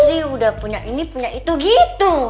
sri sudah punya ini punya itu gitu